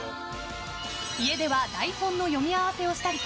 家では台本の読み合わせをしたりと